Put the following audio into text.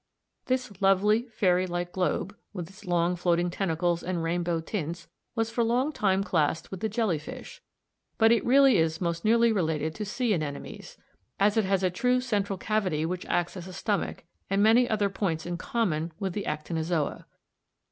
This lovely fairy like globe, with its long floating tentacles and rainbow tints, was for a long time classed with the jelly fish; but it really is most nearly related to sea anemones, as it has a true central cavity which acts as a stomach, and many other points in common with the Actinozoa.